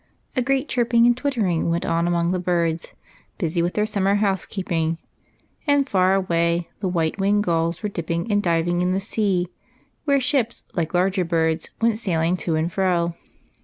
A great chirping and twittering went on among the birds, busy with their summer house keeping, and, far away, the white winged gulls were dipping and diving in the sea, where ships, like larger birds, went sailing to and fro.